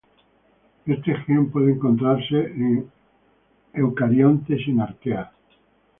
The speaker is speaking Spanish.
Este gen puede encontrarse en eucariontes y en arqueas.